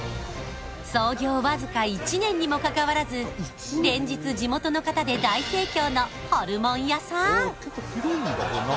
創業わずか１年にもかかわらず連日地元の方で大盛況のホルモンやさん